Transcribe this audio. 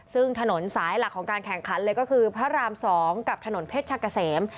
ซึ่งถนนสายหลักของการแข่งขันเลยก็คือพระราม๒กับถนนเพชรกะเสม